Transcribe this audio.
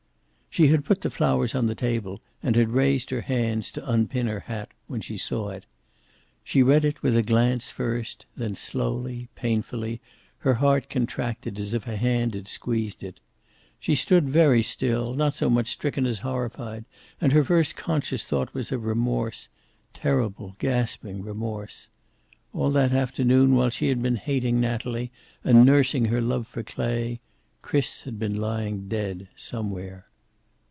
She had put the flowers on the table and had raised her hands to unpin her hat when she saw it. She read it with a glance first, then slowly, painfully, her heart contracted as if a hand had squeezed it. She stood very still, not so much stricken as horrified, and her first conscious thought was of remorse, terrible, gasping remorse. All that afternoon, while she had been hating Natalie and nursing her love for Clay, Chris had been lying dead somewhere.